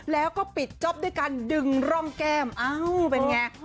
แล้วก็ปิดจ๊อปด้วยการดึงร่องแก้มเอ้าเป็นไง